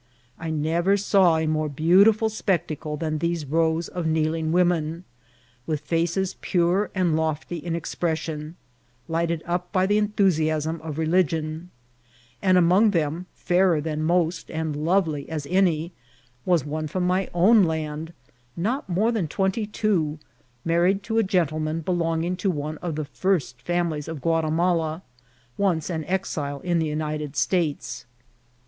I never saw a more beautiful spectacle than these rows of kneeling women, with faces pure and lofty in expression, lighted up by the enthusiasm of re ligion ; and among them, fairer than most and lovely as any, was one from my own land ; not more than twen ty two, married to a gentleman belonging to one of the first families of Guatimala, once an exile in the United States.